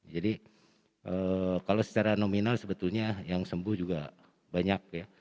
jadi kalau secara nominal sebetulnya yang sembuh juga banyak